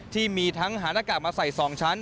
ที่มีทั้งหาหน้ากากมาใส่๒ชั้น